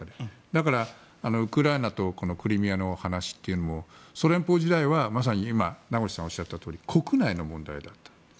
だから、ウクライナとクリミアの話というのもソ連邦時代はまさに今名越さんがおっしゃったとおり国内の問題だった。